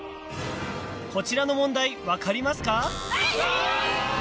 こちらの問題、分かりますか？